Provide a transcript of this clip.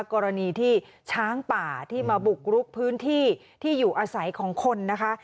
กรณีที่ช้างป่าที่มาบุกรุกพื้นที่ที่อยู่อาศัยของคนนะคะ